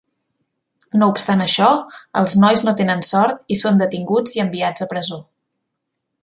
No obstant això, els nois no tenen sort, i són detinguts i enviats a presó.